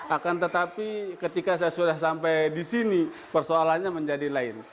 akan tetapi ketika saya sudah sampai di sini persoalannya menjadi lain